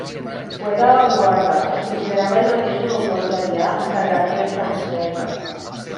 Poeta d'avantguarda, es considerava ell mateix un autor algerià de grafia francesa.